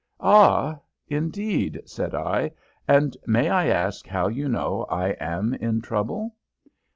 "Ah? Indeed!" said I. "And may I ask how you know I am in trouble?"